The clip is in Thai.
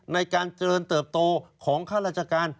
ในการเติบโตของข้าราชการ